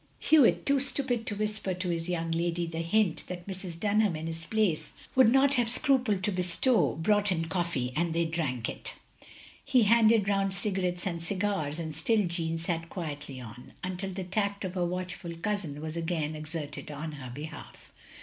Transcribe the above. Hewitt — too stupid to whisper to his young lady the hint that Mrs. Dunham, in his place, would not have scrupled to bestow — brought in coffee, and they drank it; he handed round cigarettes and cigars — and still Jeanne sat quietly on; until the tact of her watchful cousin was again exerted on her behalf.